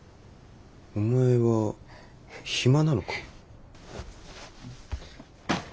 お前は暇なのか？